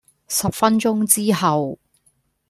十分鐘之後